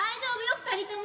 二人とも。